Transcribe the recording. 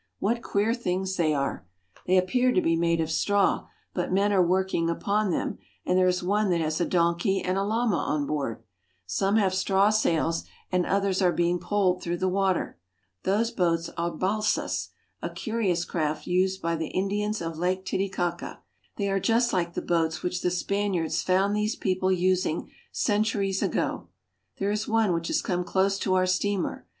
What queer things they are ! They appear to be made of straw, but men are working upon them, and there is one that has a donkey and a llama on board. Some have straw sails, and others are being poled through the water. Those boats are bal'sas, a curious craft used by the Indians of Lake Titicaca. They are just like the boats which the Spaniards found these people using centuries ago. There is one which has come close to our steamer.